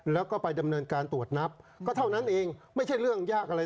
แล้วก็ไปดำเนินการตรวจนับก็เท่านั้นเองไม่ใช่เรื่องยากอะไร